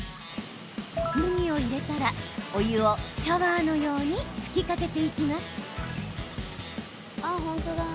麦を入れたらお湯をシャワーのように吹きかけていきます。